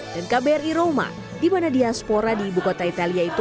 dan kbri roma di mana diaspora di ibu kota italia itu